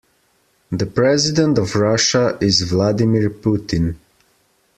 The president of Russia is Vladimir Putin.